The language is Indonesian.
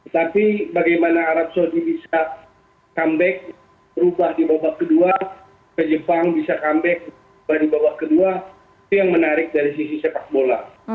tapi bagaimana arab saudi bisa comeback berubah di babak kedua ke jepang bisa comeback di bawah kedua itu yang menarik dari sisi sepak bola